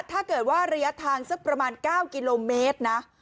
ถ้าเกิดว่าระยะทางสักประมาณ๙กิโลเมตรนะ